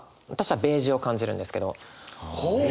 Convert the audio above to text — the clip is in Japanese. ほう。